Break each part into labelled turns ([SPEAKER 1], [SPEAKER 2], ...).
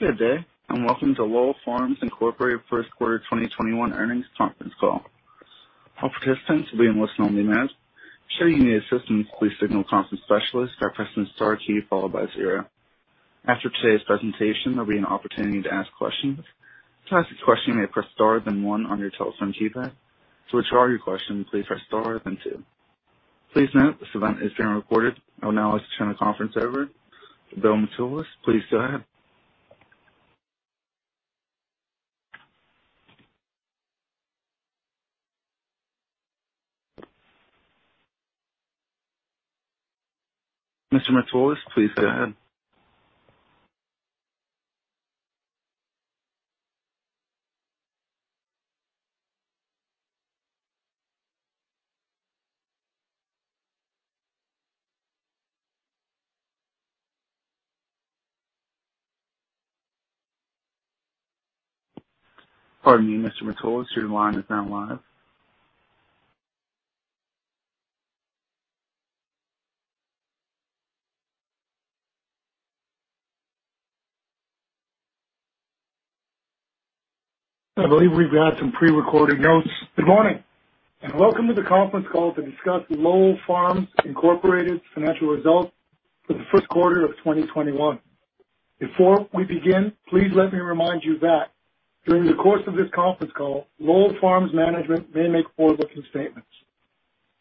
[SPEAKER 1] Good day, and welcome to Lowell Farms Incorporated first quarter 2021 earnings conference call. I will now turn the conference over to Bill Mitoulas. Please go ahead. Mr. Mitoulas, please go ahead. Pardon me, Mr. Mitoulas, your line is now live.
[SPEAKER 2] I believe we've got some pre-recorded notes. Good morning, and welcome to the conference call to discuss Lowell Farms Incorporated's financial results for the first quarter of 2021. Before we begin, please let me remind you that during the course of this conference call, Lowell Farms management may make forward-looking statements.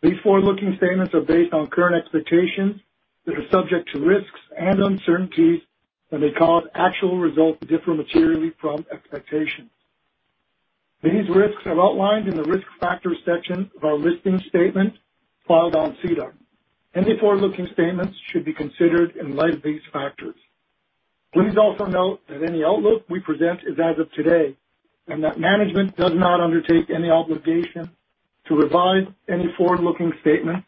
[SPEAKER 2] These forward-looking statements are based on current expectations that are subject to risks and uncertainties, and may cause actual results to differ materially from expectations. These risks are outlined in the Risk Factors section of our listings statement filed on SEDAR. Any forward-looking statements should be considered in light of these factors. Please also note that any outlook we present is as of today, and that management does not undertake any obligation to revise any forward-looking statements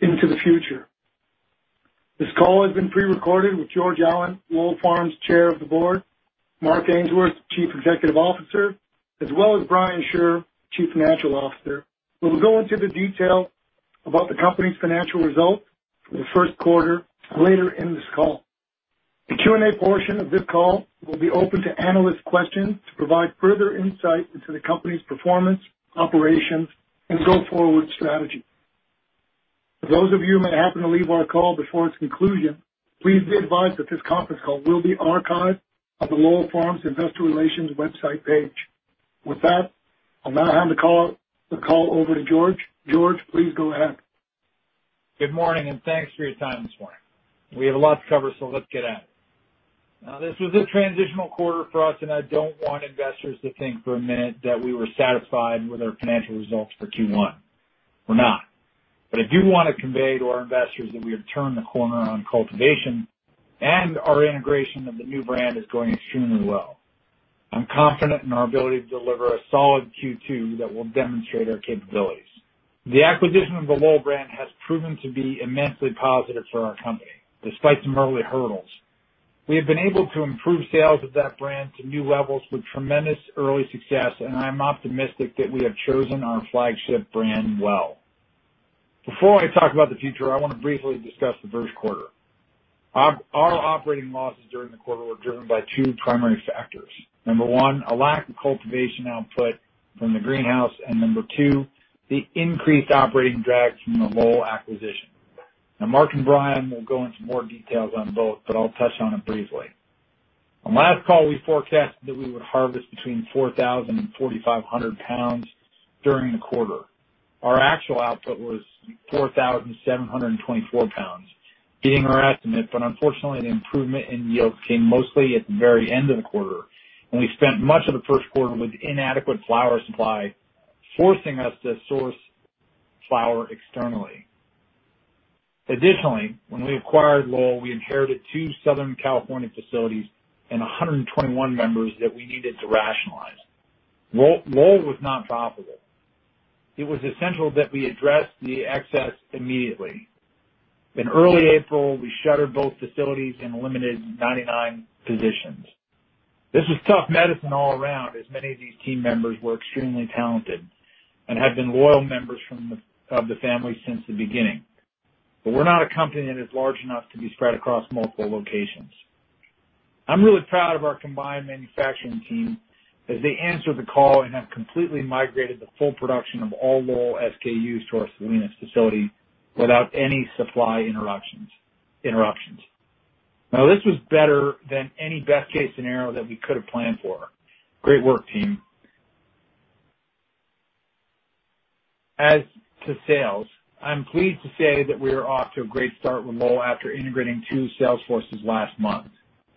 [SPEAKER 2] into the future. This call has been pre-recorded with George Allen, Lowell Farms' Chair of the Board, Mark Ainsworth, Chief Executive Officer, as well as Brian Shure, Chief Financial Officer, who will go into the detail about the company's financial results for the first quarter later in this call. The Q&A portion of this call will be open to analyst questions to provide further insight into the company's performance, operations, and go-forward strategy. For those of you who may happen to leave our call before its conclusion, please be advised that this conference call will be archived on the Lowell Farms investor relations website page. With that, I'll now hand the call over to George. George, please go ahead.
[SPEAKER 3] Good morning, thanks for your time this morning. We have a lot to cover, so let's get at it. This was a transitional quarter for us, and I don't want investors to think for a minute that we were satisfied with our financial results for Q1. We're not. I do want to convey to our investors that we have turned the corner on cultivation, and our integration of the new brand is going extremely well. I'm confident in our ability to deliver a solid Q2 that will demonstrate our capabilities. The acquisition of the Lowell brand has proven to be immensely positive for our company, despite some early hurdles. We have been able to improve sales of that brand to new levels with tremendous early success, and I'm optimistic that we have chosen our flagship brand well. Before I talk about the future, I want to briefly discuss the first quarter. Our operating losses during the quarter were driven by two primary factors. Number one, a lack of cultivation output from the greenhouse, and number two, the increased operating drag from the Lowell acquisition. Now, Mark and Brian will go into more details on both, but I'll touch on them briefly. On last call, we forecasted that we would harvest between 4,000 lbs and 4,500 lbs during the quarter. Our actual output was 4,724 lbs, beating our estimate, but unfortunately, the improvement in yield came mostly at the very end of the quarter, and we spent much of the first quarter with inadequate flower supply, forcing us to source flower externally. When we acquired Lowell, we inherited two Southern California facilities and 121 members that we needed to rationalize. Lowell was not profitable. It was essential that we address the excess immediately. In early April, we shuttered both facilities and eliminated 99 positions. This was tough medicine all around, as many of these team members were extremely talented and had been loyal members of the family since the beginning. We're not a company that is large enough to be spread across multiple locations. I'm really proud of our combined manufacturing team, as they answered the call and have completely migrated the full production of all Lowell SKUs to our Salinas facility without any supply interruptions. This was better than any best-case scenario that we could have planned for. Great work, team. As to sales, I'm pleased to say that we are off to a great start with Lowell after integrating two sales forces last month.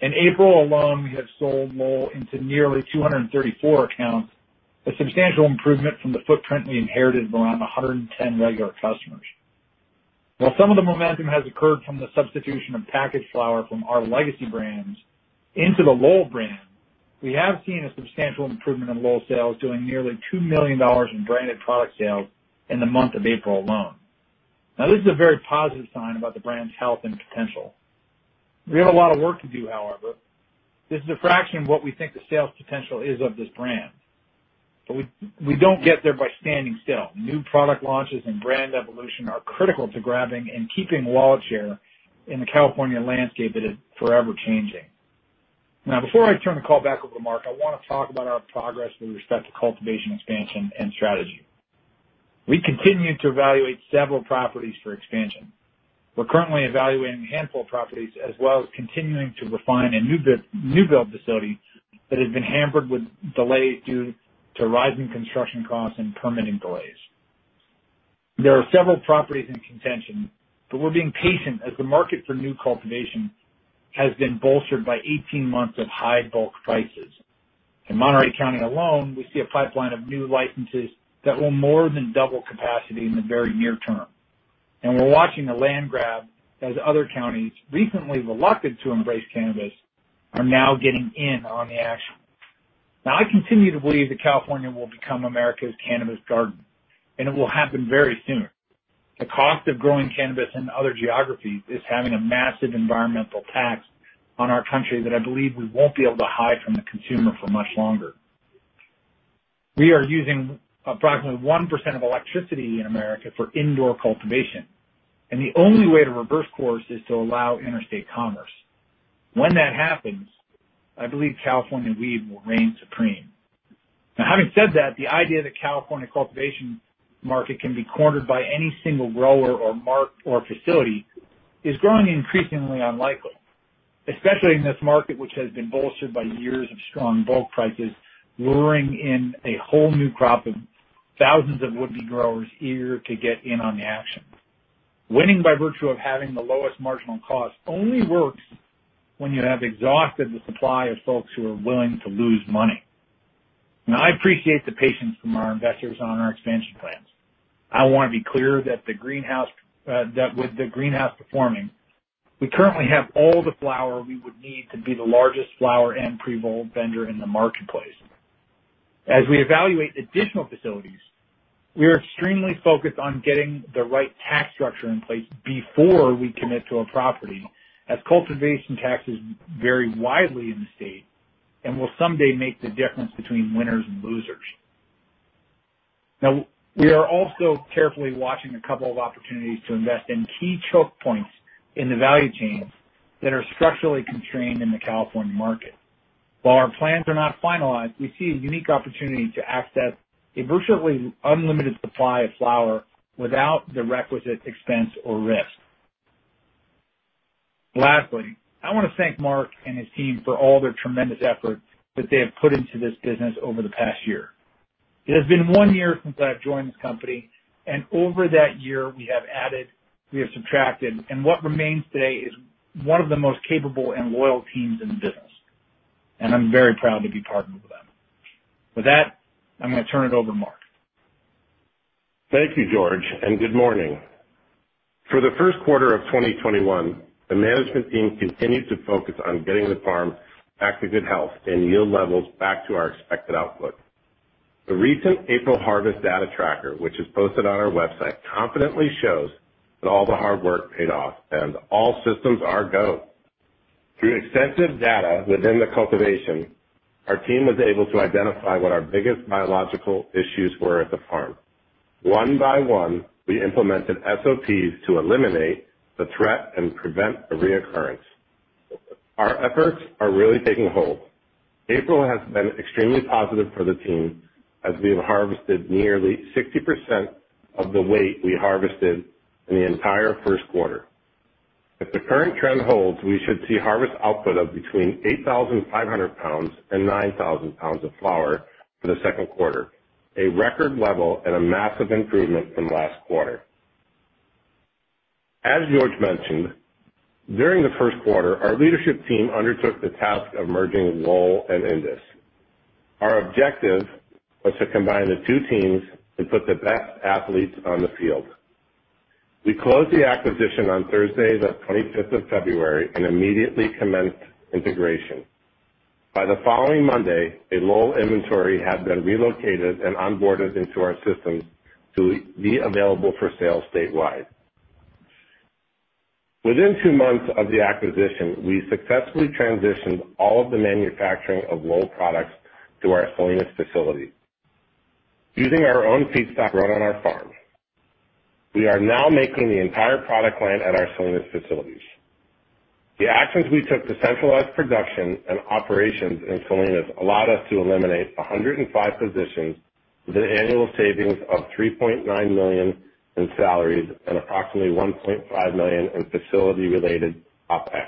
[SPEAKER 3] In April alone, we have sold Lowell into nearly 234 accounts, a substantial improvement from the footprint we inherited of around 110 regular customers. While some of the momentum has occurred from the substitution of packaged flower from our legacy brands into the Lowell brand, we have seen a substantial improvement in Lowell sales, doing nearly $2 million in branded product sales in the month of April alone. This is a very positive sign about the brand's health and potential. We have a lot of work to do, however. This is a fraction of what we think the sales potential is of this brand. We don't get there by standing still. New product launches and brand evolution are critical to grabbing and keeping wallet share in the California landscape that is forever changing. Before I turn the call back over to Mark, I want to talk about our progress with respect to cultivation, expansion, and strategy. We continue to evaluate several properties for expansion. We're currently evaluating a handful of properties, as well as continuing to refine a new build facility that has been hampered with delays due to rising construction costs and permitting delays. There are several properties in contention, we're being patient as the market for new cultivation has been bolstered by 18 months of high bulk prices. In Monterey County alone, we see a pipeline of new licenses that will more than double capacity in the very near term. We're watching the land grab as other counties, recently reluctant to embrace cannabis, are now getting in on the action. Now, I continue to believe that California will become America's cannabis garden, and it will happen very soon. The cost of growing cannabis in other geographies is having a massive environmental tax on our country that I believe we won't be able to hide from the consumer for much longer. We are using approximately 1% of electricity in America for indoor cultivation, and the only way to reverse course is to allow interstate commerce. When that happens, I believe California weed will reign supreme. Having said that, the idea that California cultivation market can be cornered by any single grower or market or facility is growing increasingly unlikely, especially in this market, which has been bolstered by years of strong bulk prices, luring in a whole new crop of thousands of would-be growers eager to get in on the action. Winning by virtue of having the lowest marginal cost only works when you have exhausted the supply of folks who are willing to lose money. I appreciate the patience from our investors on our expansion plans. I want to be clear that with the greenhouse performing, we currently have all the flower we would need to be the largest flower and pre-roll vendor in the marketplace. As we evaluate additional facilities, we are extremely focused on getting the right tax structure in place before we commit to a property, as cultivation taxes vary widely in the state and will someday make the difference between winners and losers. We are also carefully watching a couple of opportunities to invest in key choke points in the value chain that are structurally constrained in the California market. While our plans are not finalized, we see a unique opportunity to access a virtually unlimited supply of flower without the requisite expense or risk. Lastly, I want to thank Mark and his team for all their tremendous effort that they have put into this business over the past year. It has been one year since I've joined this company. Over that year, we have added, we have subtracted, and what remains today is one of the most capable and loyal teams in the business. I'm very proud to be partnered with them. With that, I'm going to turn it over to Mark.
[SPEAKER 4] Thank you, George, and good morning. For the first quarter of 2021, the management team continued to focus on getting the farm back to good health and yield levels back to our expected output. The recent April harvest data tracker, which is posted on our website, confidently shows that all the hard work paid off and all systems are go. Through extensive data within the cultivation, our team was able to identify what our biggest biological issues were at the farm. One by one, we implemented SOPs to eliminate the threat and prevent a reoccurrence. Our efforts are really taking hold. April has been extremely positive for the team as we have harvested nearly 60% of the weight we harvested in the entire first quarter. If the current trend holds, we should see harvest output of between 8,500 lbs and 9,000 lbs of flower for the second quarter, a record level and a massive improvement from last quarter. As George mentioned, during the first quarter, our leadership team undertook the task of merging Lowell and Indus. Our objective was to combine the two teams and put the best athletes on the field. We closed the acquisition on Thursday, the 25th of February, and immediately commenced integration. By the following Monday, a Lowell inventory had been relocated and onboarded into our system to be available for sale statewide. Within two months of the acquisition, we successfully transitioned all of the manufacturing of Lowell products to our Salinas facility. Using our own feedstock grown on our farms, we are now making the entire product line at our Salinas facilities. The actions we took to centralize production and operations in Salinas allowed us to eliminate 105 positions with an annual savings of $3.9 million in salaries and approximately $1.5 million in facility-related OpEx.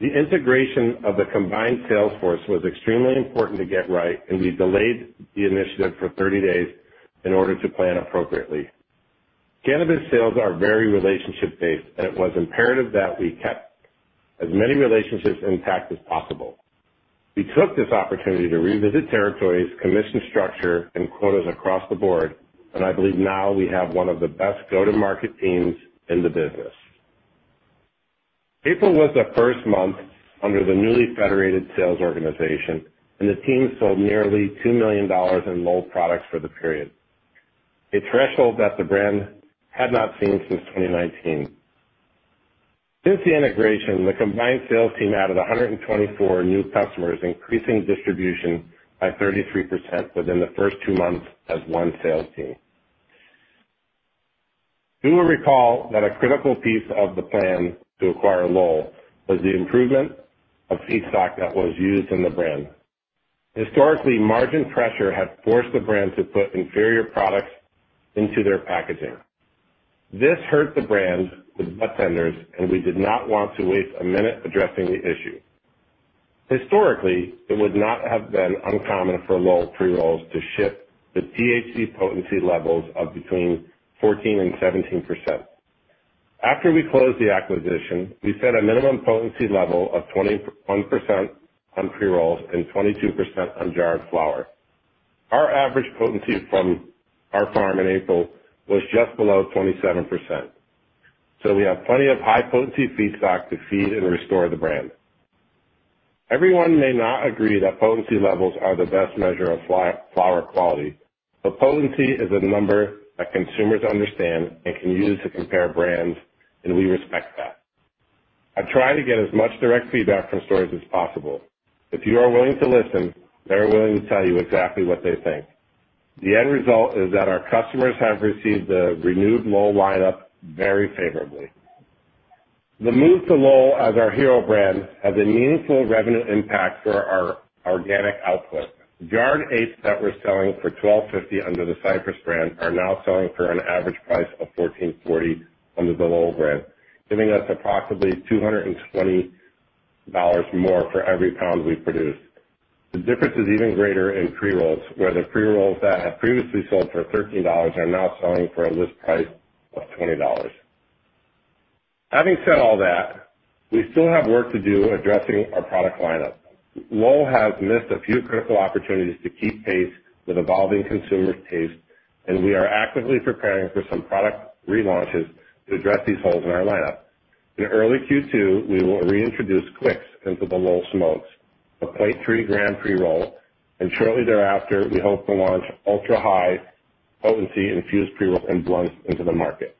[SPEAKER 4] The integration of the combined sales force was extremely important to get right, and we delayed the initiative for 30 days in order to plan appropriately. Cannabis sales are very relationship-based, and it was imperative that we kept as many relationships intact as possible. We took this opportunity to revisit territories, commission structure, and quotas across the board, and I believe now we have one of the best go-to-market teams in the business. April was the first month under the newly federated sales organization. The team sold nearly $2 million in Lowell products for the period, a threshold that the brand had not seen since 2019. Since the integration, the combined sales team added 124 new customers, increasing distribution by 33% within the first two months as one sales team. You will recall that a critical piece of the plan to acquire Lowell was the improvement of feedstock that was used in the brand. Historically, margin pressure had forced the brand to put inferior products into their packaging. This hurt the brand with budtenders. We did not want to waste a minute addressing the issue. Historically, it would not have been uncommon for Lowell pre-rolls to ship with THC potency levels of between 14% and 17%. After we closed the acquisition, we set a minimum potency level of 21% on pre-rolls and 22% on jarred flower. Our average potency from our farm in April was just below 27%. We have plenty of high-potency feedstock to feed and restore the brand. Everyone may not agree that potency levels are the best measure of flower quality, but potency is a number that consumers understand and can use to compare brands, and we respect that. I try to get as much direct feedback from stores as possible. If you are willing to listen, they are willing to tell you exactly what they think. The end result is that our customers have received the renewed Lowell lineup very favorably. The move to Lowell as our hero brand has a meaningful revenue impact for our organic output. Jarred eighths that were selling for $12.50 under the Cypress brand are now selling for an average price of $14.40 under the Lowell brand, giving us approximately $220 more for every pound we produce. The difference is even greater in pre-rolls, where the pre-rolls that have previously sold for $13 are now selling for a list price of $20. Having said all that, we still have work to do addressing our product lineup. Lowell has missed a few critical opportunities to keep pace with evolving consumer taste, and we are actively preparing for some product relaunches to address these holes in our lineup. In early Q2, we will reintroduce Quicks into the Lowell Smokes, a 0.3 g pre-roll, and shortly thereafter, we hope to launch ultra-high potency infused pre-rolls and blunts into the market.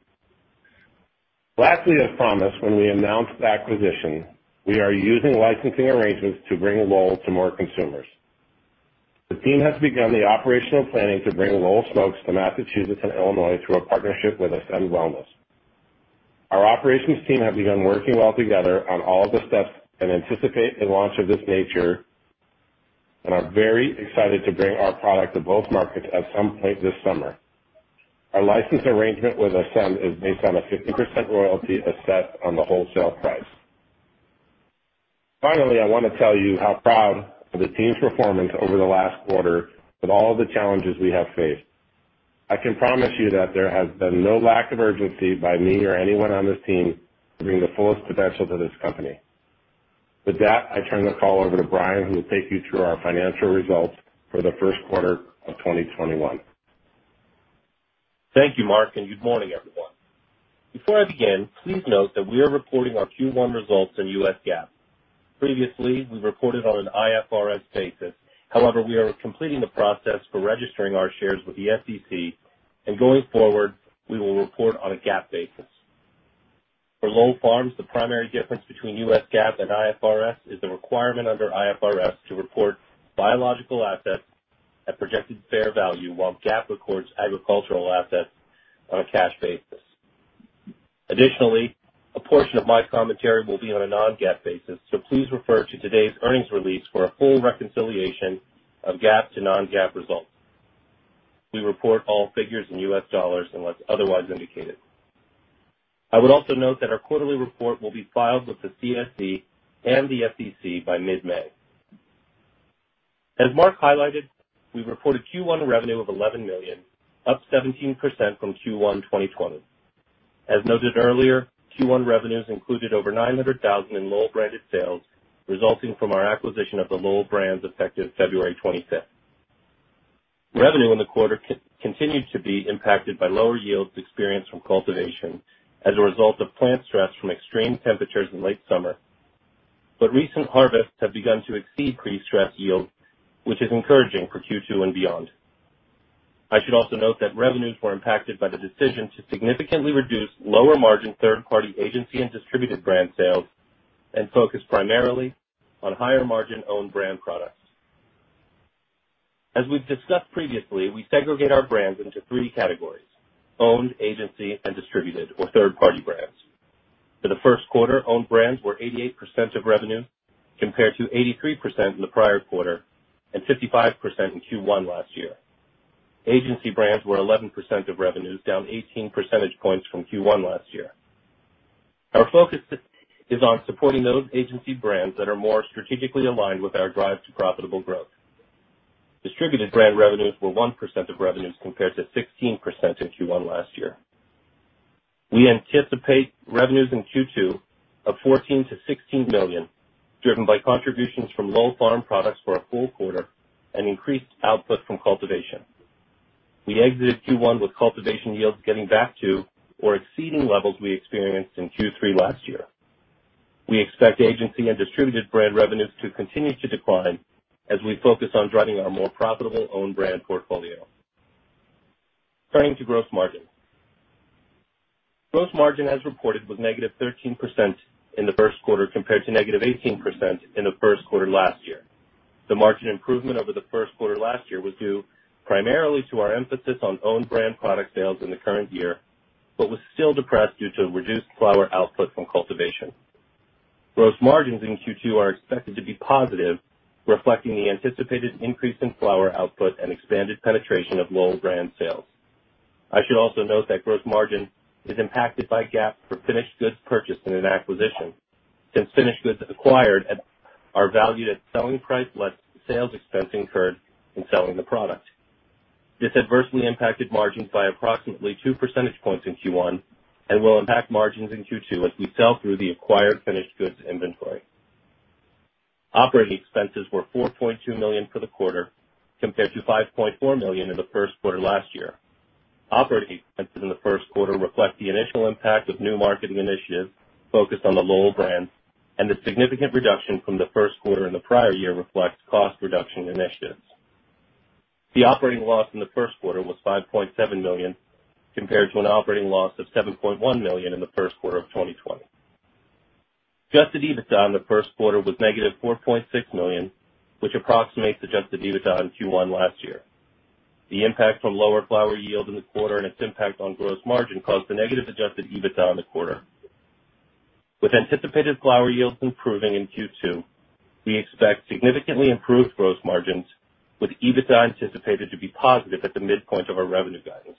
[SPEAKER 4] Lastly, as promised, when we announced the acquisition, we are using licensing arrangements to bring Lowell to more consumers. The team has begun the operational planning to bring Lowell Smokes to Massachusetts and Illinois through a partnership with Ascend Wellness. Our operations team have begun working well together on all of the steps and anticipate a launch of this nature and are very excited to bring our product to both markets at some point this summer. Our license arrangement with Ascend is based on a 50% royalty assessed on the wholesale price. Finally, I want to tell you how proud of the team's performance over the last quarter with all of the challenges we have faced. I can promise you that there has been no lack of urgency by me or anyone on this team to bring the fullest potential to this company. With that, I turn the call over to Brian, who will take you through our financial results for the first quarter of 2021.
[SPEAKER 5] Thank you, Mark. Good morning, everyone. Before I begin, please note that we are reporting our Q1 results in U.S. GAAP. Previously, we reported on an IFRS basis. However, we are completing the process for registering our shares with the SEC, and going forward, we will report on a GAAP basis. For Lowell Farms, the primary difference between U.S. GAAP and IFRS is the requirement under IFRS to report biological assets at projected fair value while GAAP records agricultural assets on a cash basis. Additionally, a portion of my commentary will be on a non-GAAP basis. Please refer to today's earnings release for a full reconciliation of GAAP to non-GAAP results. We report all figures in U.S. dollars unless otherwise indicated. I would also note that our quarterly report will be filed with the CSE and the SEC by mid-May. As Mark highlighted, we reported Q1 revenue of $11 million, up 17% from Q1 2020. As noted earlier, Q1 revenues included over $900,000 in Lowell-branded sales resulting from our acquisition of the Lowell brands effective February 25th. Revenue in the quarter continued to be impacted by lower yields experienced from cultivation as a result of plant stress from extreme temperatures in late summer. Recent harvests have begun to exceed pre-stress yields, which is encouraging for Q2 and beyond. I should also note that revenues were impacted by the decision to significantly reduce lower-margin third-party agency and distributed brand sales and focus primarily on higher-margin own brand products. As we've discussed previously, we segregate our brands into three categories: owned, agency, and distributed or third-party brands. For the first quarter, owned brands were 88% of revenue, compared to 83% in the prior quarter and 55% in Q1 last year. Agency brands were 11% of revenues, down 18 percentage points from Q1 last year. Our focus is on supporting those agency brands that are more strategically aligned with our drive to profitable growth. Distributed brand revenues were 1% of revenues compared to 16% in Q1 last year. We anticipate revenues in Q2 of $14 million-$16 million, driven by contributions from Lowell Farms products for a full quarter and increased output from cultivation. We exited Q1 with cultivation yields getting back to or exceeding levels we experienced in Q3 last year. We expect agency and distributed brand revenues to continue to decline as we focus on driving our more profitable own brand portfolio. Turning to gross margin. Gross margin as reported was -13% in the first quarter, compared to -18% in the first quarter last year. The margin improvement over the first quarter last year was due primarily to our emphasis on own-brand product sales in the current year, but was still depressed due to reduced flower output from cultivation. Gross margins in Q2 are expected to be positive, reflecting the anticipated increase in flower output and expanded penetration of Lowell brand sales. I should also note that gross margin is impacted by GAAP for finished goods purchased in an acquisition, since finished goods acquired are valued at selling price less sales expense incurred in selling the product. This adversely impacted margins by approximately 2 percentage points in Q1 and will impact margins in Q2 as we sell through the acquired finished goods inventory. Operating expenses were $4.2 million for the quarter, compared to $5.4 million in the first quarter last year. Operating expenses in the first quarter reflect the initial impact of new marketing initiatives focused on the Lowell brands, and the significant reduction from the first quarter in the prior year reflects cost reduction initiatives. The operating loss in the first quarter was $5.7 million, compared to an operating loss of $7.1 million in the first quarter of 2020. Adjusted EBITDA in the first quarter was -$4.6 million, which approximates adjusted EBITDA in Q1 last year. The impact from lower flower yield in the quarter and its impact on gross margin caused the negative adjusted EBITDA in the quarter. With anticipated flower yields improving in Q2, we expect significantly improved gross margins, with EBITDA anticipated to be positive at the midpoint of our revenue guidance.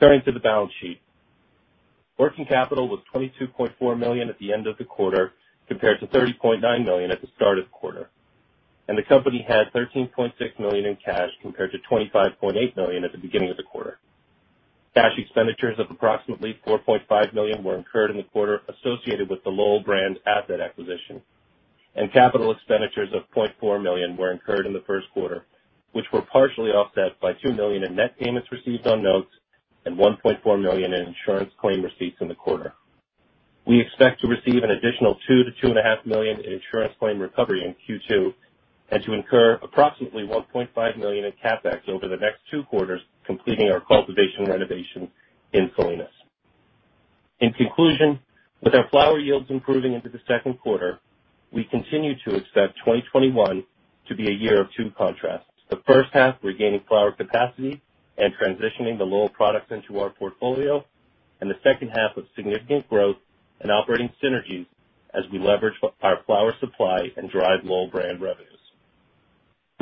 [SPEAKER 5] Turning to the balance sheet. Working capital was $22.4 million at the end of the quarter, compared to $30.9 million at the start of the quarter. The company had $13.6 million in cash, compared to $25.8 million at the beginning of the quarter. Cash expenditures of approximately $4.5 million were incurred in the quarter associated with the Lowell brand asset acquisition, and capital expenditures of $0.4 million were incurred in the first quarter, which were partially offset by $2 million in net payments received on notes and $1.4 million in insurance claim receipts in the quarter. We expect to receive an additional $2 million-$2.5 million in insurance claim recovery in Q2 and to incur approximately $1.5 million in CapEx over the next two quarters, completing our cultivation renovation in Salinas. In conclusion, with our flower yields improving into the second quarter, we continue to expect 2021 to be a year of two contrasts. The first half, regaining flower capacity and transitioning the Lowell products into our portfolio, and the second half of significant growth and operating synergies as we leverage our flower supply and drive Lowell brand revenues.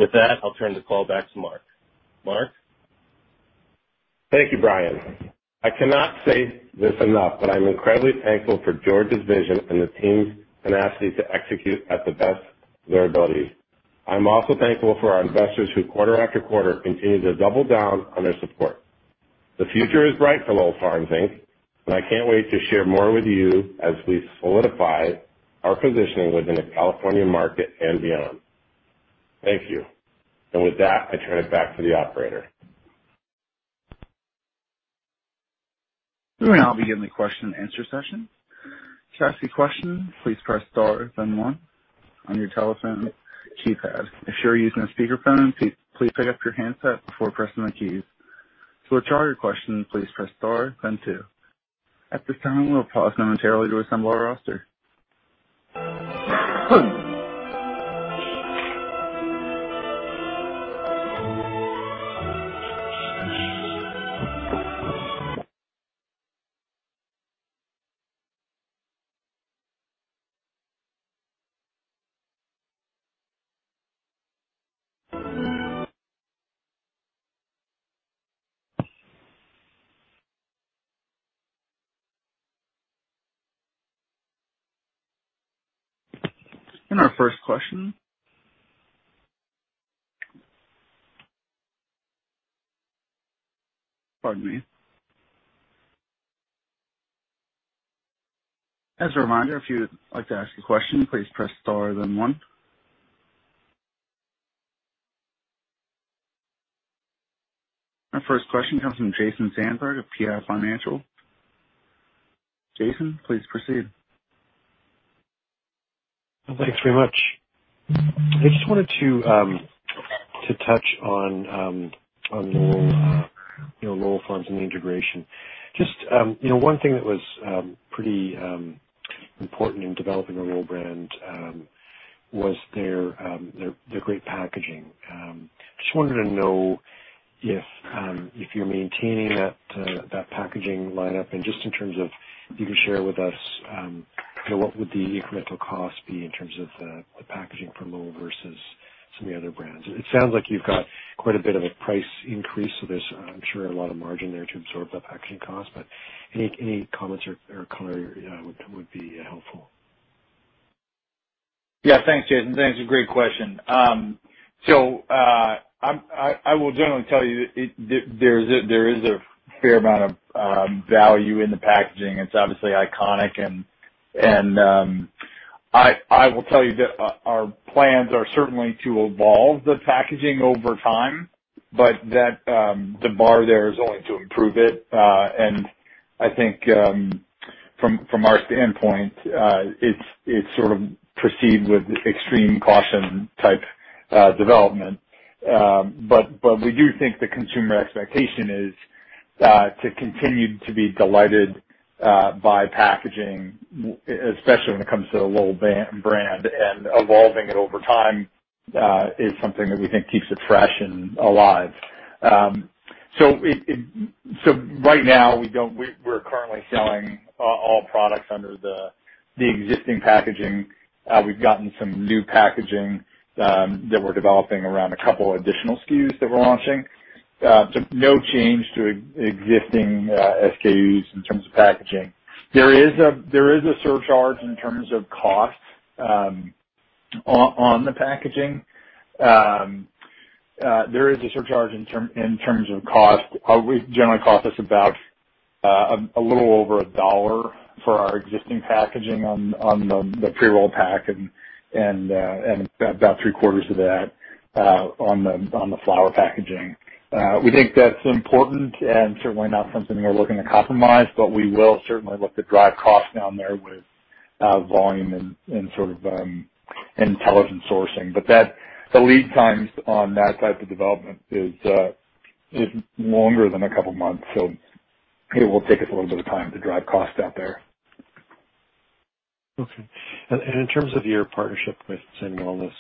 [SPEAKER 5] With that, I'll turn the call back to Mark. Mark?
[SPEAKER 4] Thank you, Brian. I cannot say this enough, but I'm incredibly thankful for George's vision and the team's tenacity to execute at the best of their ability. I'm also thankful for our investors who, quarter after quarter, continue to double down on their support. The future is bright for Lowell Farms Inc. I can't wait to share more with you as we solidify our positioning within the California market and beyond. Thank you. With that, I turn it back to the operator.
[SPEAKER 1] We will now begin the question and answer session. To ask a question, please press star then one on your telephone keypad. If you are using a speakerphone, please pick up your handset before pressing the keys. To withdraw your question, please press star then two. At this time, we'll pause momentarily to assemble our roster. Our first question. Pardon me. As a reminder, if you'd like to ask a question, please press star then one. Our first question comes from Jason Zandberg of PI Financial. Jason, please proceed.
[SPEAKER 6] Thanks very much. I just wanted to touch on Lowell Farms and the integration. Just one thing that was pretty important in developing the Lowell brand was their great packaging. Just wanted to know if you're maintaining that packaging lineup and just in terms of, if you can share with us, what would the incremental cost be in terms of the packaging for Lowell versus some of the other brands? It sounds like you've got quite a bit of a price increase, so there's, I'm sure, a lot of margin there to absorb that packaging cost. Any comments or color would be helpful.
[SPEAKER 3] Thanks, Jason. That's a great question. I will generally tell you that there is a fair amount of value in the packaging. It's obviously iconic and I will tell you that our plans are certainly to evolve the packaging over time, but that the bar there is only to improve it. I think From our standpoint, it's sort of perceived with extreme caution type development. We do think the consumer expectation is to continue to be delighted by packaging, especially when it comes to the Lowell brand, and evolving it over time is something that we think keeps it fresh and alive. Right now, we're currently selling all products under the existing packaging. We've gotten some new packaging, that we're developing around a couple additional SKUs that we're launching. No change to existing SKUs in terms of packaging. There is a surcharge in terms of cost on the packaging. There is a surcharge in terms of cost. It would generally cost us about a little over $1 for our existing packaging on the pre-roll pack and about 3/4 of that on the flower packaging. We think that's important and certainly not something we're looking to compromise. We will certainly look to drive costs down there with volume and intelligent sourcing. The lead times on that type of development is longer than a couple of months, so it will take us a little bit of time to drive costs out there.
[SPEAKER 6] Okay. In terms of your partnership with Ascend Wellness,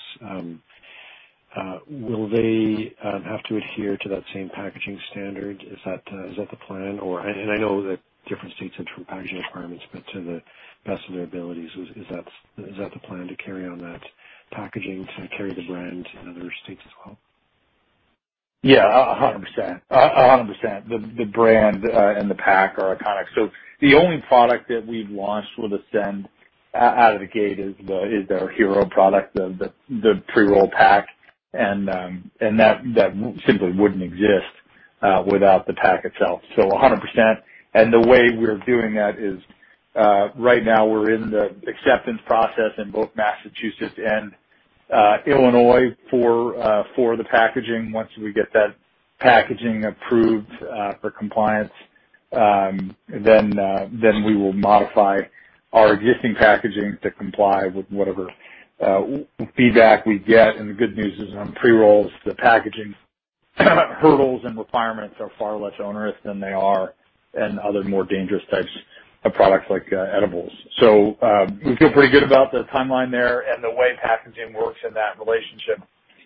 [SPEAKER 6] will they have to adhere to that same packaging standard? Is that the plan? I know that different states have different packaging requirements, but to the best of their abilities, is that the plan to carry on that packaging to carry the brand to other states as well?
[SPEAKER 3] Yeah, 100%. The brand and the pack are iconic. The only product that we've launched with Ascend out of the gate is their hero product, the pre-roll pack. That simply wouldn't exist without the pack itself. 100%. The way we're doing that is, right now we're in the acceptance process in both Massachusetts and Illinois for the packaging. Once we get that packaging approved for compliance, then we will modify our existing packaging to comply with whatever feedback we get. The good news is, on pre-rolls, the packaging hurdles and requirements are far less onerous than they are in other more dangerous types of products like edibles. We feel pretty good about the timeline there and the way packaging works in that relationship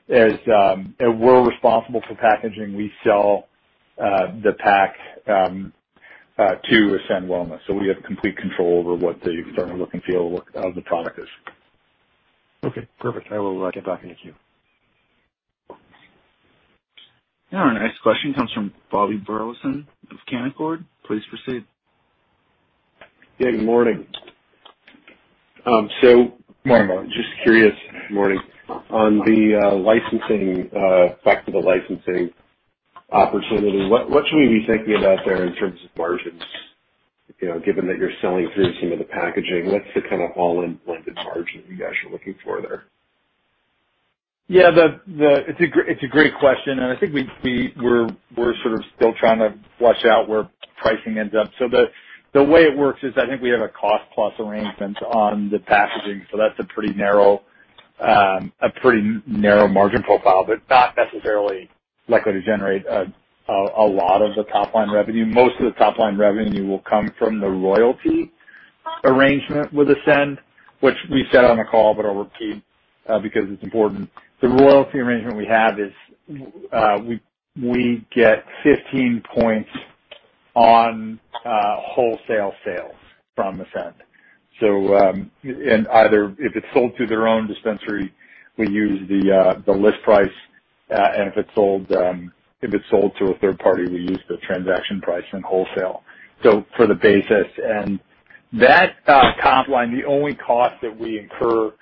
[SPEAKER 3] is, we're responsible for packaging. We sell the pack to Ascend Wellness. We have complete control over what the external look and feel of the product is.
[SPEAKER 6] Okay, perfect. I will get back in the queue.
[SPEAKER 1] Our next question comes from Bobby Burleson of Canaccord. Please proceed.
[SPEAKER 7] Yeah, good morning.
[SPEAKER 3] Morning, Bob.
[SPEAKER 7] Just curious. Good morning. On the licensing, back to the licensing opportunity, what should we be thinking about there in terms of margins? Given that you're selling through some of the packaging, what's the kind of all-in blended margin that you guys are looking for there?
[SPEAKER 3] Yeah. It's a great question, and I think we're sort of still trying to flush out where pricing ends up. The way it works is, I think we have a cost-plus arrangement on the packaging, so that's a pretty narrow margin profile, but not necessarily likely to generate a lot of the top-line revenue. Most of the top-line revenue will come from the royalty arrangement with Ascend, which we said on the call, but I'll repeat, because it's important. The royalty arrangement we have is, we get 15 points on wholesale sales from Ascend. Either if it's sold through their own dispensary, we use the list price, and if it's sold to a third party, we use the transaction price and wholesale. For the basis. That top line, the only cost that we incur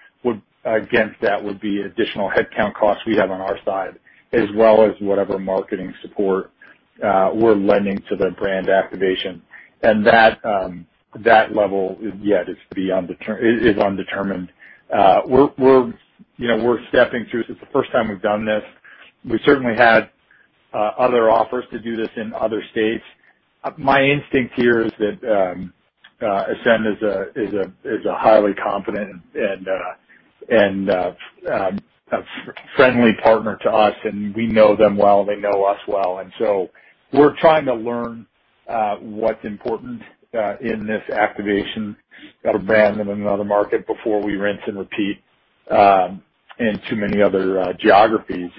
[SPEAKER 3] against that would be additional headcount costs we have on our side, as well as whatever marketing support we're lending to the brand activation. That level is yet undetermined. We're stepping through. This is the first time we've done this. We certainly had other offers to do this in other states. My instinct here is that Ascend is a highly competent and a friendly partner to us, and we know them well, they know us well. We're trying to learn what's important in this activation of a brand in another market before we rinse and repeat in too many other geographies.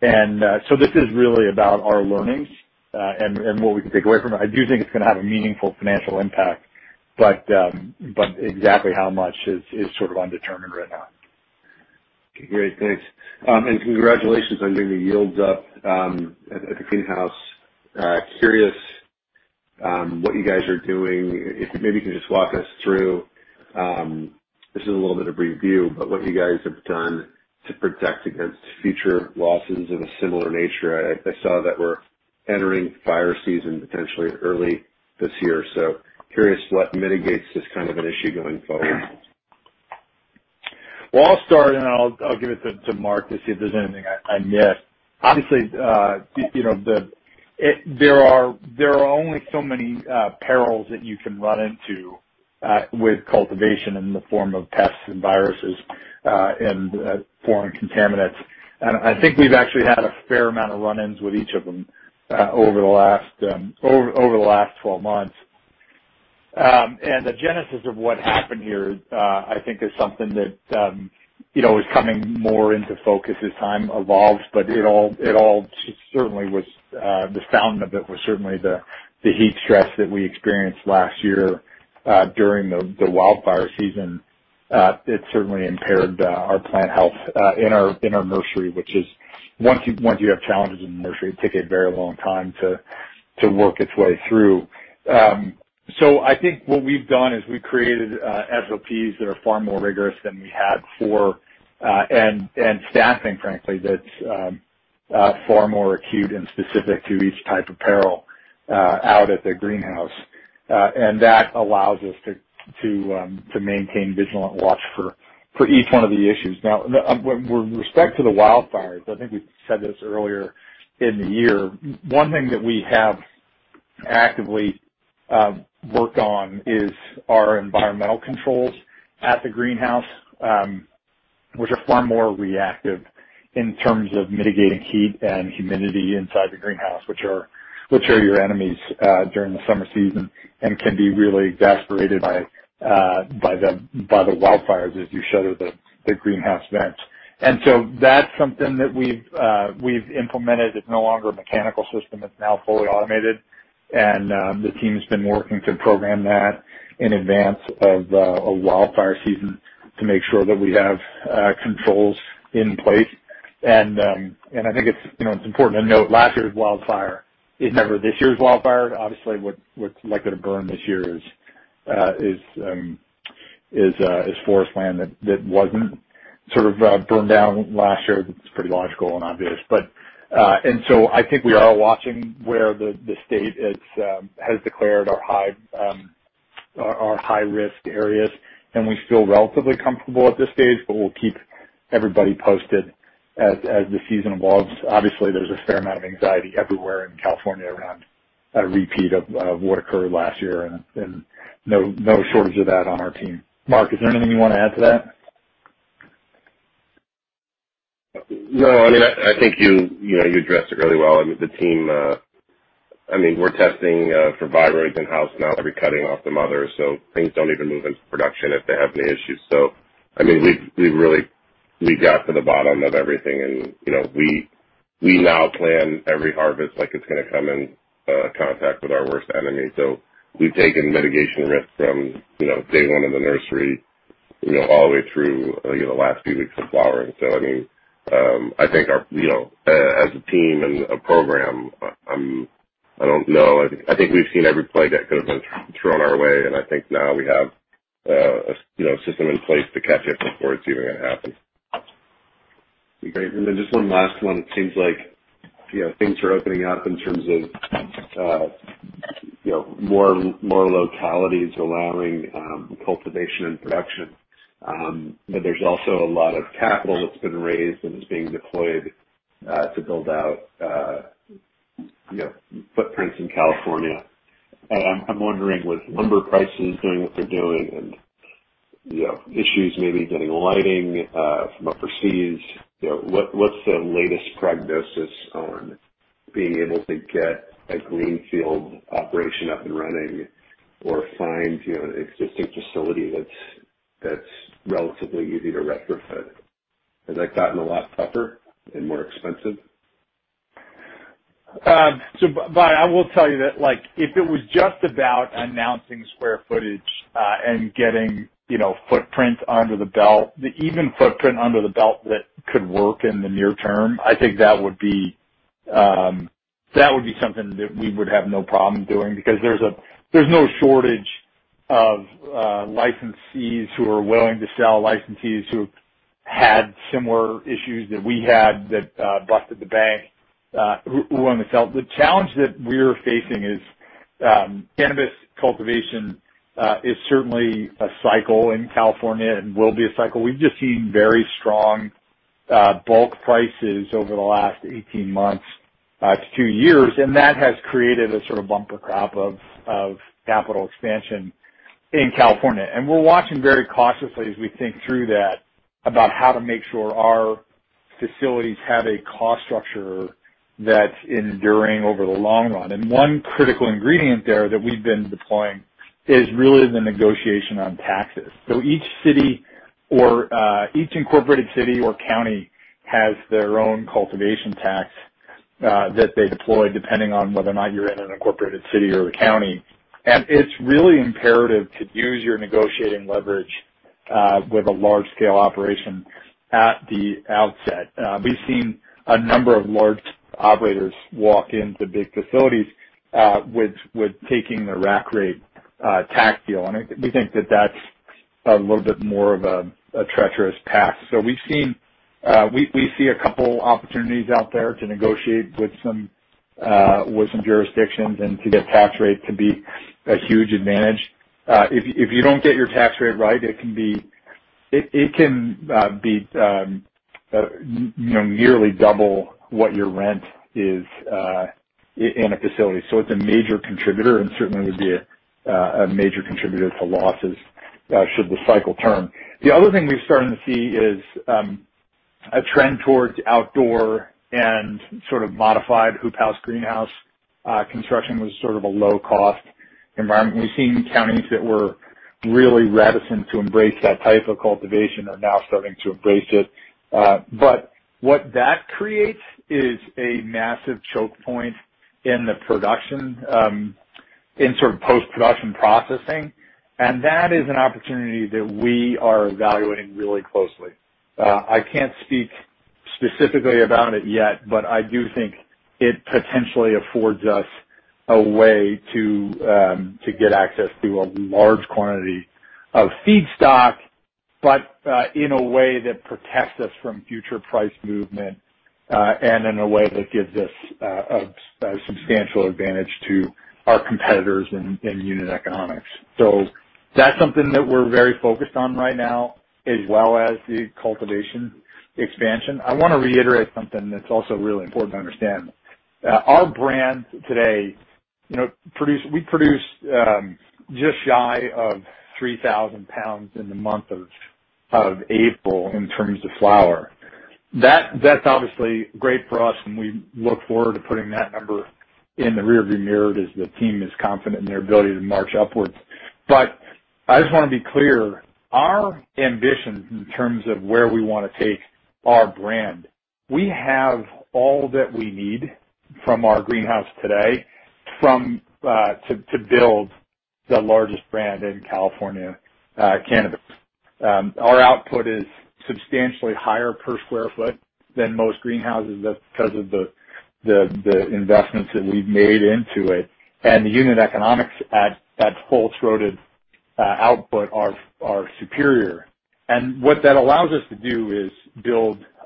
[SPEAKER 3] This is really about our learnings, and what we can take away from it. I do think it's going to have a meaningful financial impact, but exactly how much is sort of undetermined right now.
[SPEAKER 7] Great. Thanks. Congratulations on getting the yields up at the greenhouse. Curious what you guys are doing. If maybe you can just walk us through, this is a little bit of review, but what you guys have done to protect against future losses of a similar nature. I saw that we're entering fire season potentially early this year. Curious what mitigates this kind of an issue going forward?
[SPEAKER 3] Well, I'll start, and then I'll give it to Mark to see if there's anything I missed. Obviously, there are only so many perils that you can run into with cultivation in the form of pests and viruses, and foreign contaminants. I think we've actually had a fair amount of run-ins with each of them over the last 12 months. The genesis of what happened here, I think is something that is coming more into focus as time evolves, but the fountain of it was certainly the heat stress that we experienced last year, during the wildfire season. It certainly impaired our plant health, in our nursery. Once you have challenges in the nursery, it takes a very long time to work its way through. I think what we've done is we've created SOPs that are far more rigorous than we had before, and staffing, frankly, that's far more acute and specific to each type of pre-roll out at the greenhouse. That allows us to maintain vigilant watch for each one of the issues. Now, with respect to the wildfires, I think we said this earlier in the year, one thing that we have actively worked on is our environmental controls at the greenhouse, which are far more reactive in terms of mitigating heat and humidity inside the greenhouse, which are your enemies during the summer season and can be really exasperated by the wildfires as you shutter the greenhouse vents. That's something that we've implemented. It's no longer a mechanical system. It's now fully automated, the team's been working to program that in advance of wildfire season to make sure that we have controls in place. I think it's important to note, last year's wildfire is never this year's wildfire. Obviously, what's likely to burn this year is forest land that wasn't sort of burned down last year, which is pretty logical and obvious. I think we are watching where the state has declared our high-risk areas, and we feel relatively comfortable at this stage, but we'll keep everybody posted as the season evolves. Obviously, there's a fair amount of anxiety everywhere in California around a repeat of what occurred last year, and no shortage of that on our team. Mark, is there anything you want to add to that?
[SPEAKER 4] No, I think you addressed it really well. I mean, we're testing for viruses in-house now, every cutting off the mother, so things don't even move into production if they have any issues. We got to the bottom of everything, and we now plan every harvest like it's going to come in contact with our worst enemy. We've taken mitigation risk from day one in the nursery all the way through the last few weeks of flowering. I think as a team and a program, I think we've seen every play that could have been thrown our way, and I think now we have a system in place to catch it before it's even going to happen.
[SPEAKER 7] Great. Then just one last one. It seems like things are opening up in terms of more localities allowing cultivation and production, but there's also a lot of capital that's been raised and is being deployed to build out footprints in California. I'm wondering, with lumber prices doing what they're doing and issues maybe getting lighting from overseas, what's the latest prognosis on being able to get a greenfield operation up and running or find an existing facility that's relatively easy to retrofit? Has that gotten a lot tougher and more expensive?
[SPEAKER 3] Bob, I will tell you that if it was just about announcing square footage and getting footprints under the belt, even footprint under the belt that could work in the near term, I think that would be something that we would have no problem doing because there's no shortage of licensees who are willing to sell, licensees who had similar issues that we had that busted the bank, who are willing to sell. The challenge that we're facing is cannabis cultivation is certainly a cycle in California and will be a cycle. We've just seen very strong bulk prices over the last 18 months to two years, and that has created a sort of bumper crop of capital expansion in California. We're watching very cautiously as we think through that, about how to make sure our facilities have a cost structure that's enduring over the long run. One critical ingredient there that we've been deploying is really the negotiation on taxes. Each incorporated city or county has their own cultivation tax that they deploy depending on whether or not you're in an incorporated city or a county. It's really imperative to use your negotiating leverage with a large-scale operation at the outset. We've seen a number of large operators walk into big facilities with taking the rack rate tax deal, and we think that that's a little bit more of a treacherous path. We see a couple opportunities out there to negotiate with some jurisdictions and to get tax rates can be a huge advantage. If you don't get your tax rate right, it can be nearly double what your rent is in a facility. It's a major contributor and certainly would be a major contributor to losses should the cycle turn. The other thing we've started to see is a trend towards outdoor and sort of modified hoop house greenhouse. Construction was sort of a low cost environment. We've seen counties that were really reticent to embrace that type of cultivation are now starting to embrace it. What that creates is a massive choke point in the production, in sort of post-production processing. That is an opportunity that we are evaluating really closely. I can't speak specifically about it yet, but I do think it potentially affords us a way to get access to a large quantity of feedstock, but in a way that protects us from future price movement, and in a way that gives us a substantial advantage to our competitors in unit economics. That's something that we're very focused on right now, as well as the cultivation expansion. I want to reiterate something that's also really important to understand. Our brands today, we produced just shy of 3,000 lbs in the month of April in terms of flower. That's obviously great for us, and we look forward to putting that number in the rear view mirror as the team is confident in their ability to march upwards. I just want to be clear, our ambition in terms of where we want to take our brand, we have all that we need from our greenhouse today to build the largest brand in California, cannabis. Our output is substantially higher per square foot than most greenhouses. That's because of the investments that we've made into it. The unit economics at full-throated output are superior. What that allows us to do is,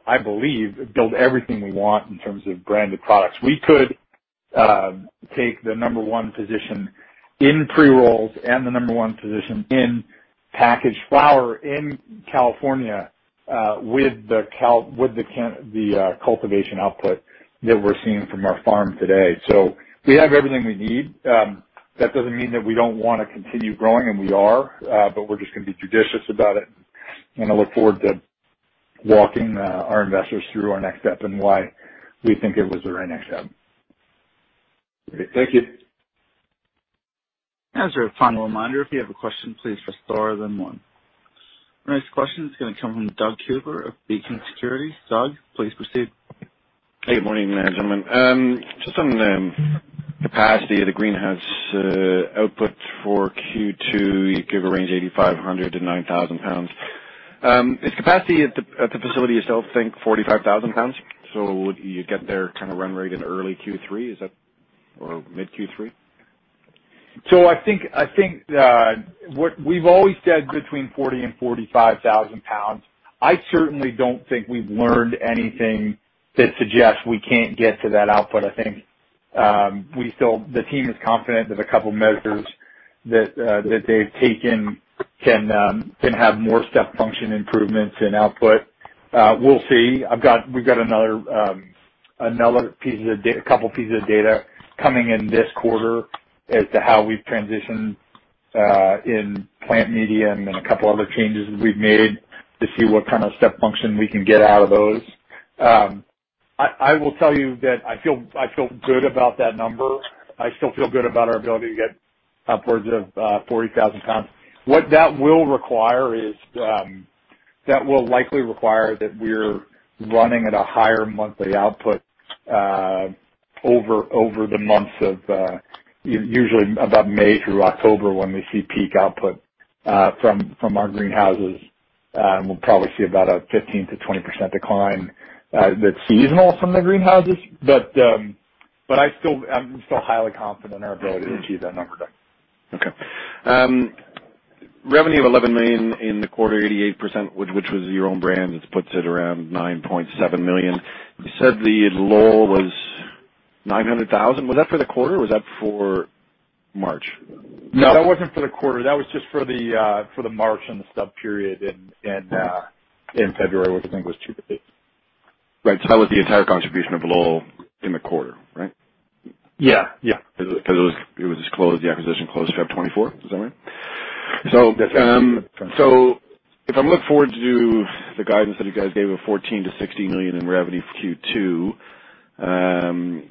[SPEAKER 3] I believe, build everything we want in terms of branded products. We could take the number one position in pre-rolls and the number one position in packaged flower in California, with the cultivation output that we're seeing from our farm today. We have everything we need. That doesn't mean that we don't want to continue growing, and we are, but we're just going to be judicious about it. I look forward to walking our investors through our next step and why we think it was the right next step.
[SPEAKER 7] Great. Thank you.
[SPEAKER 1] As a final reminder, if you have a question, please press star one. Our next question is going to come from Doug Cooper of Beacon Securities. Doug, please proceed.
[SPEAKER 8] Hey, good morning, gentlemen. Just on capacity of the greenhouse output for Q2, you gave a range of 8,500 lbs-9,000 lbs. Is capacity at the facility itself, think 45,000 lbs? Would you get there kind of run rate in early Q3 or mid-Q3?
[SPEAKER 3] I think what we've always said between 40,000 lbs and 45,000 lbs. I certainly don't think we've learned anything that suggests we can't get to that output. I think the team is confident that a couple of measures that they've taken can have more step function improvements in output. We'll see. We've got a couple pieces of data coming in this quarter as to how we've transitioned in plant media and then a couple other changes that we've made to see what kind of step function we can get out of those. I will tell you that I feel good about that number. I still feel good about our ability to get upwards of 40,000 lbs. What that will likely require is that we're running at a higher monthly output over the months of usually about May through October, when we see peak output from our greenhouses. We'll probably see about a 15%-20% decline that's seasonal from the greenhouses. I'm still highly confident in our ability to achieve that number, Doug.
[SPEAKER 8] Okay. Revenue of $11 million in the quarter, 88%, which was your own brand. That puts it around $9.7 million. You said the Lowell was $900,000. Was that for the quarter? Was that for March?
[SPEAKER 3] No, that wasn't for the quarter. That was just for the March and the sub-period in February, which I think was two to three.
[SPEAKER 8] Right. That was the entire contribution of Lowell in the quarter, right?
[SPEAKER 3] Yeah.
[SPEAKER 8] It was disclosed, the acquisition closed Feb 24, is that right?
[SPEAKER 3] That's right.
[SPEAKER 8] If I look forward to the guidance that you guys gave of $14 million-$16 million in revenue for Q2,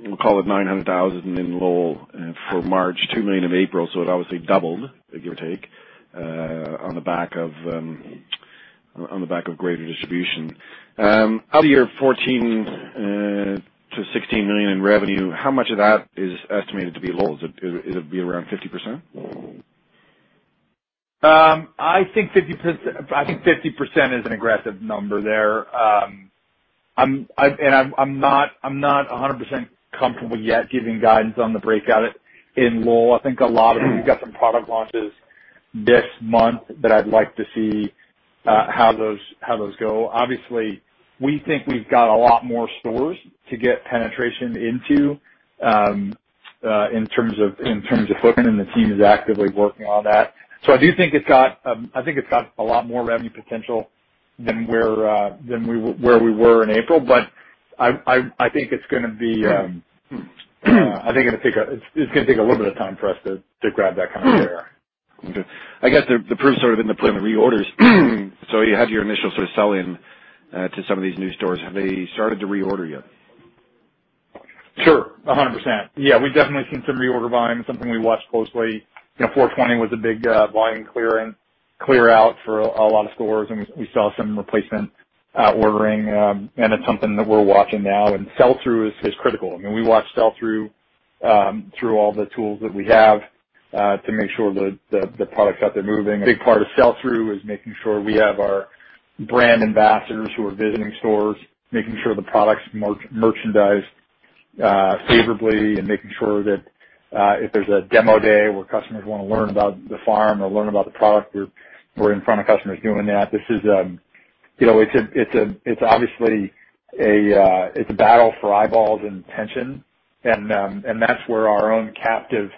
[SPEAKER 8] we'll call it $900,000 in Lowell for March, $2 million in April. It obviously doubled, give or take, on the back of greater distribution. Out of your $14 million-$16 million in revenue, how much of that is estimated to be Lowell? Is it be around 50%?
[SPEAKER 3] I think 50% is an aggressive number there. I'm not 100% comfortable yet giving guidance on the breakout in Lowell. I think a lot of it, we've got some product launches this month that I'd like to see how those go. Obviously, we think we've got a lot more stores to get penetration into, in terms of footprint, and the team is actively working on that. I think it's got a lot more revenue potential than where we were in April. I think it's going to take a little bit of time for us to grab that kind of share.
[SPEAKER 8] Okay. I guess the proof's sort of in the reorders. You had your initial sort of sell-in to some of these new stores. Have they started to reorder yet?
[SPEAKER 3] Sure, 100%. Yeah, we've definitely seen some reorder volume. Something we watched closely. 4/20 was a big volume clear-out for a lot of stores, and we saw some replacement ordering. It's something that we're watching now, and sell-through is critical. I mean, we watch sell-through through all the tools that we have, to make sure the product's out there moving. A big part of sell-through is making sure we have our brand ambassadors who are visiting stores, making sure the product's merchandised favorably, and making sure that, if there's a demo day where customers want to learn about the farm or learn about the product, we're in front of customers doing that. It's obviously a battle for eyeballs and attention, and that's where our own captive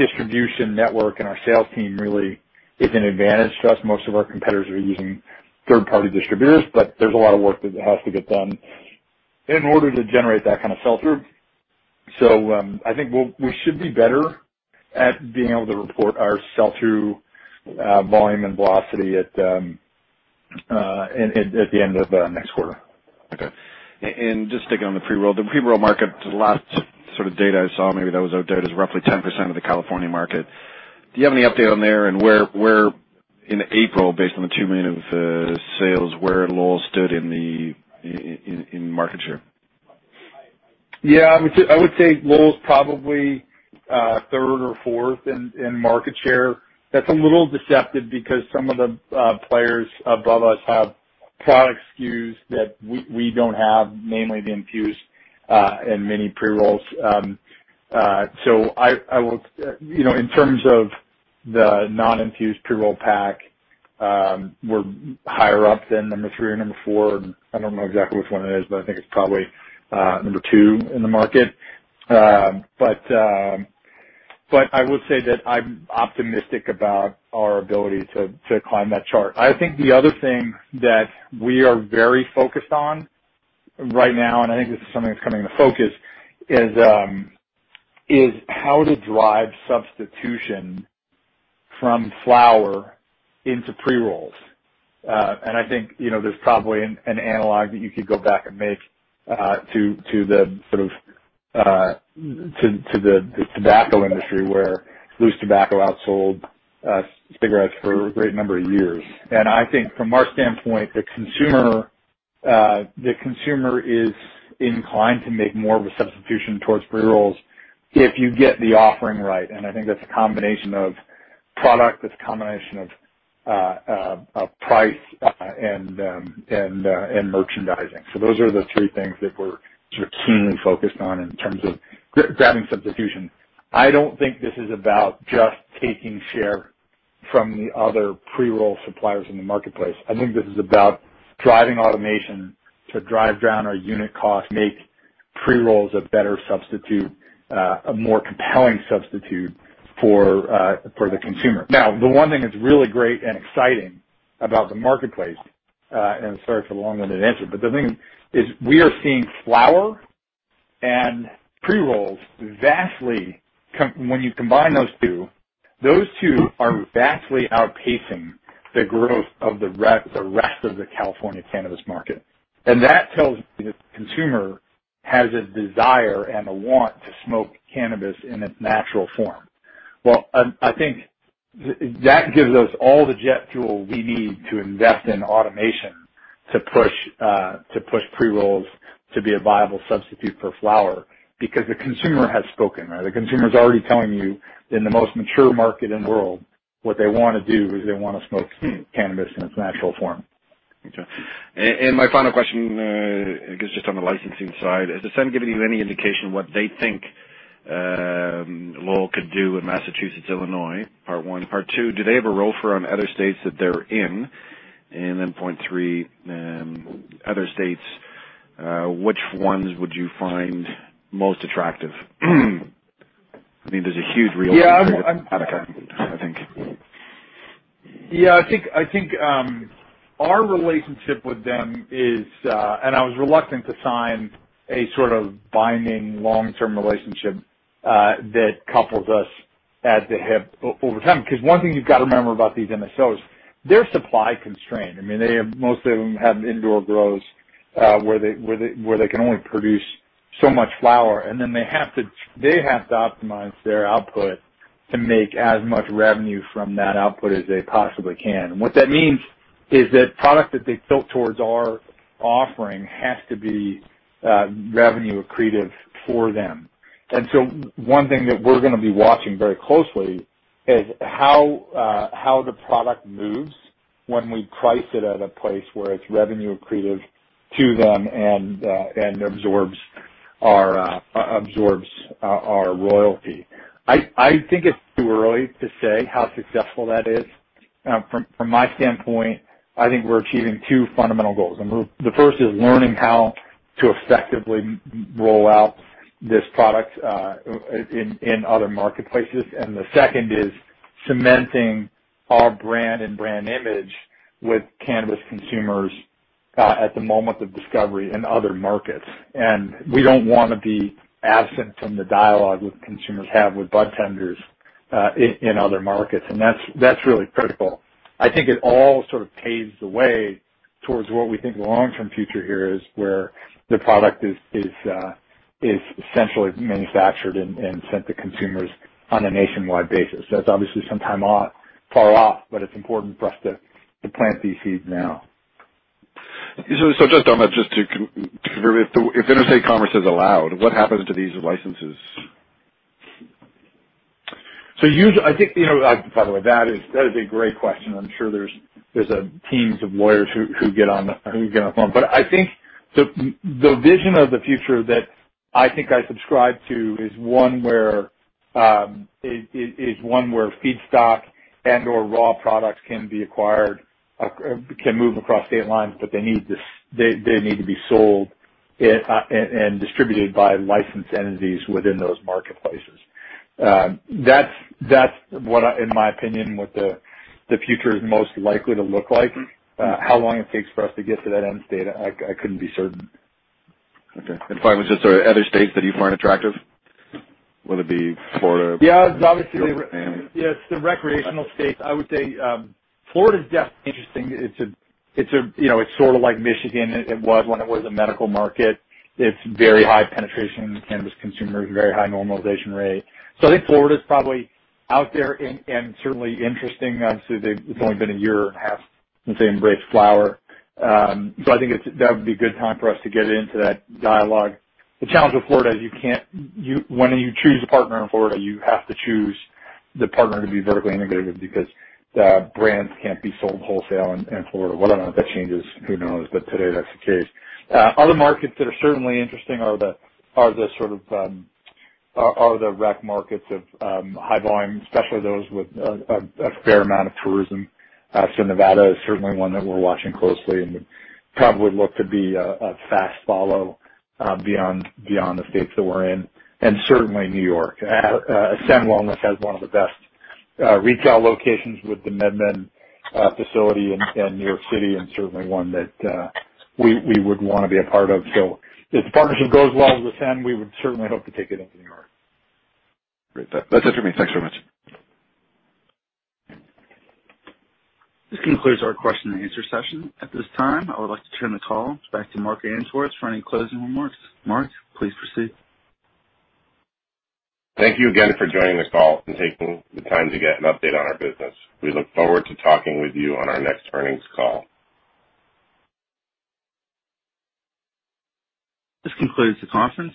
[SPEAKER 3] distribution network and our sales team really is an advantage to us. Most of our competitors are using third-party distributors, but there's a lot of work that has to get done in order to generate that kind of sell-through. I think we should be better at being able to report our sell-through volume and velocity at the end of next quarter.
[SPEAKER 8] Okay. Just sticking on the pre-roll. The pre-roll market, the last data I saw, maybe that was out of date, is roughly 10% of the California market. Do you have any update on there and where in April, based on the $2 million of sales, where Lowell stood in market share?
[SPEAKER 3] Yeah, I would say Lowell's probably third or fourth in market share. That's a little deceptive because some of the players above us have product SKUs that we don't have, namely the infused, and mini pre-rolls. In terms of the non-infused pre-roll pack, we're higher up than number three or number four. I don't know exactly which one it is, but I think it's probably number two in the market. I would say that I'm optimistic about our ability to climb that chart. I think the other thing that we are very focused on right now, and I think this is something that's coming into focus, is how to drive substitution from flower into pre-rolls. I think there's probably an analog that you could go back and make to the tobacco industry, where loose tobacco outsold cigarettes for a great number of years. I think from our standpoint, the consumer is inclined to make more of a substitution towards pre-rolls if you get the offering right. I think that's a combination of product, that's a combination of price, and merchandising. Those are the three things that we're keenly focused on in terms of grabbing substitution. I don't think this is about just taking share from the other pre-roll suppliers in the marketplace. I think this is about driving automation to drive down our unit cost, make pre-rolls a better substitute, a more compelling substitute for the consumer. Now, the one thing that's really great and exciting about the marketplace, and I'm sorry for the long-winded answer, but the thing is, we are seeing flower and pre-rolls, when you combine those two, those two are vastly outpacing the growth of the rest of the California cannabis market. That tells me the consumer has a desire and a want to smoke cannabis in its natural form. Well, I think that gives us all the jet fuel we need to invest in automation to push pre-rolls to be a viable substitute for flower, because the consumer has spoken, right? The consumer's already telling you in the most mature market in the world, what they want to do is they want to smoke cannabis in its natural form.
[SPEAKER 8] Okay. My final question, I guess, just on the licensing side is, has Ascend given you any indication what they think Lowell could do in Massachusetts, Illinois? Part one. Part two, do they have a role for other states that they're in? Then point three, other states, which ones would you find most attractive? I mean, there's a huge.
[SPEAKER 3] Yeah, I'm-
[SPEAKER 8] market in Utica, I think.
[SPEAKER 3] Yeah, I think our relationship with them is I was reluctant to sign a sort of binding long-term relationship that couples us at the hip over time, because one thing you've got to remember about these MSOs, they're supply constrained. I mean, most of them have indoor grows, where they can only produce so much flower, and then they have to optimize their output to make as much revenue from that output as they possibly can. What that means is that product that they tilt towards our offering has to be revenue accretive for them. One thing that we're going to be watching very closely is how the product moves when we price it at a place where it's revenue accretive to them and absorbs our royalty. I think it's too early to say how successful that is. From my standpoint, I think we're achieving two fundamental goals. The first is learning how to effectively roll out this product in other marketplaces. The second is cementing our brand and brand image with cannabis consumers at the moment of discovery in other markets. We don't want to be absent from the dialogue that consumers have with budtenders in other markets. That's really critical. I think it all sort of paves the way towards what we think the long-term future here is, where the product is essentially manufactured and sent to consumers on a nationwide basis. That's obviously some time far off. It's important for us to plant these seeds now.
[SPEAKER 8] Just on that, if interstate commerce is allowed, what happens to these licenses?
[SPEAKER 3] By the way, that is a great question. I'm sure there's teams of lawyers who get on the phone. I think the vision of the future that I think I subscribe to is one where feedstock and/or raw products can be acquired, can move across state lines, but they need to be sold and distributed by licensed entities within those marketplaces. That's what, in my opinion, what the future is most likely to look like. How long it takes for us to get to that end state, I couldn't be certain.
[SPEAKER 8] Okay. Finally, just other states that you find attractive, whether it be Florida-
[SPEAKER 3] Yeah. Obviously, it's the recreational states. I would say, Florida's definitely interesting. It's sort of like Michigan was when it was a medical market. It's very high penetration in cannabis consumers, very high normalization rate. I think Florida's probably out there and certainly interesting. Obviously, it's only been a year and a half since they embraced flower. I think that would be a good time for us to get into that dialogue. The challenge with Florida is when you choose a partner in Florida, you have to choose the partner to be vertically integrated because the brands can't be sold wholesale in Florida. Whether or not that changes, who knows? Today that's the case. Other markets that are certainly interesting are the rec markets of high volume, especially those with a fair amount of tourism. Nevada is certainly one that we're watching closely and would probably look to be a fast follow beyond the states that we're in, and certainly New York. Ascend Wellness has one of the best retail locations with the MedMen facility in New York City, and certainly one that we would want to be a part of. If the partnership goes well with Ascend, we would certainly hope to take it into New York.
[SPEAKER 8] Great. That's it for me. Thanks very much.
[SPEAKER 1] This concludes our question and answer session. At this time, I would like to turn the call back to Mark Ainsworth for any closing remarks. Mark, please proceed.
[SPEAKER 4] Thank you again for joining this call and taking the time to get an update on our business. We look forward to talking with you on our next earnings call.
[SPEAKER 1] This concludes the conference.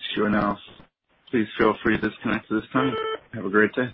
[SPEAKER 1] Please feel free to disconnect at this time. Have a great day.